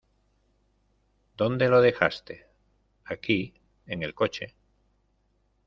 ¿ Dónde lo dejaste? Aquí, en el coche.